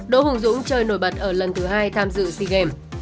đỗ hùng dũng chơi nổi bật ở lần thứ hai tham dự sea games